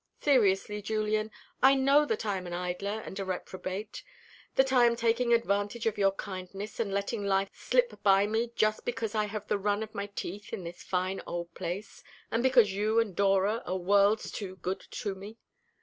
Seriously, Julian, I know that I am an idler and a reprobate, that I am taking advantage of your kindness and letting life slip by me just because I have the run of my teeth in this fine old place, and because you and Dora are worlds too good to me.